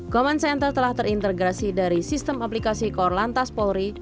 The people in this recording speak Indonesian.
command center telah terintegrasi dari sistem aplikasi kor lantas polri